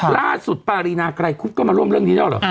ล่าสุดปารีนากลายคุบก็มาร่วมเรื่องนี้แล้วหรอ